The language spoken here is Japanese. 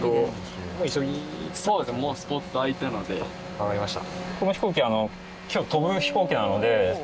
わかりました。